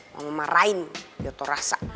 mau ngemarain jatuh rasa